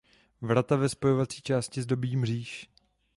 Vrata ve spojovací části zdobí mříž.